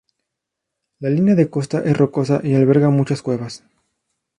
La línea de costa es rocosa y alberga muchas cuevas.